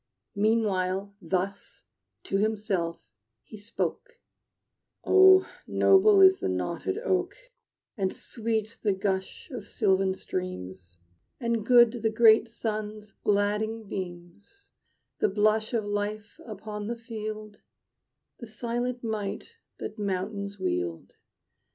Meanwhile, thus to himself he spoke: "Oh, noble is the knotted oak, And sweet the gush of sylvan streams, And good the great sun's gladding beams, The blush of life upon the field, The silent might that mountains wield.